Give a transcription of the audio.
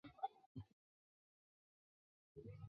谭全播分掌城中兵。